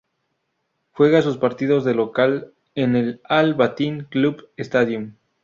Juega sus partidos de local en el Al-Batin Club Stadium.